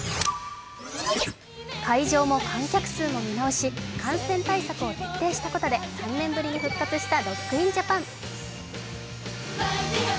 会場も観客数も見直し感染対策を徹底したことで３年ぶりに復活したＲＯＣＫＩＮＪＡＰＡＮ。